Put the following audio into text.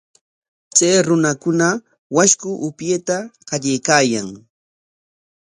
Chay runakuna washku upyayta qallaykaayan.